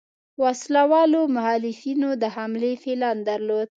وسله والو مخالفینو د حملې پلان درلود.